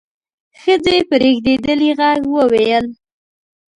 ښځې په رېږدېدلي غږ وويل: